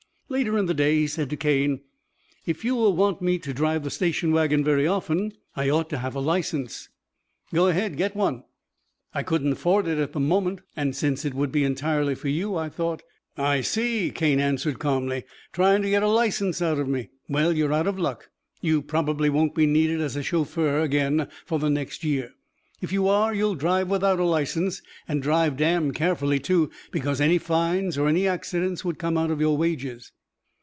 Later in the day he said to Cane: "If you will want me to drive the station wagon very often, I ought to have a license." "Go ahead. Get one." "I couldn't afford it at the moment, and since it would be entirely for you, I thought " "I see," Cane answered calmly. "Trying to get a license out of me. Well, you're out of luck. You probably won't be needed as a chauffeur again for the next year. If you are, you'll drive without a license, and drive damn carefully, too, because any fines or any accidents would come out of your wages."